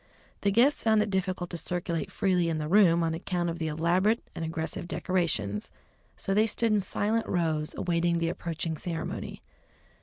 The guests found it difficult to circulate freely in the room on account of the elaborate and aggressive decorations, so they stood in silent rows awaiting the approaching ceremony.